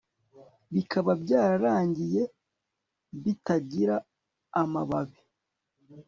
Bikaba byaragiye bitagira amababi